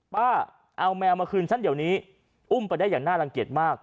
ป้าเอาแมวมาคืนฉันเดี๋ยวนี้อุ้มไปได้อย่างน่ารังเกียจมาก